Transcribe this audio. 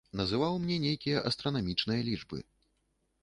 Называў мне нейкія астранамічныя лічбы.